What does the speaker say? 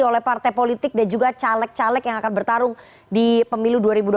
oleh partai politik dan juga caleg caleg yang akan bertarung di pemilu dua ribu dua puluh